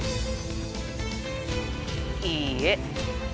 いいえ。